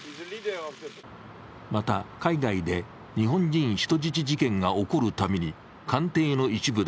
また、海外で日本人人質事件が起こるたびに官邸の一部で